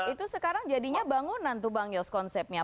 itu sekarang jadinya bangunan tuh bang yos konsepnya